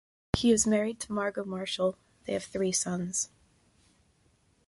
He is married to Margot Marshall; they have three sons.